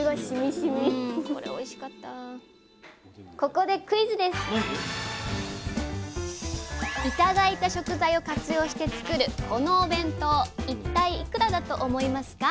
ここでいただいた食材を活用して作るこのお弁当一体いくらだと思いますか？